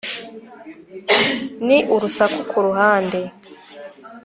ni urusaku kuruhande